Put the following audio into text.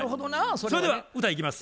それでは歌いきます。